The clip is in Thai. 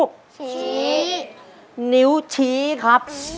ชี้นิ้วชี้ครับ